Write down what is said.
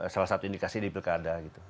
salah satu indikasi di pilkada gitu